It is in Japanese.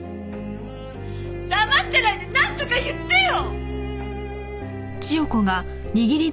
黙ってないでなんとか言ってよ！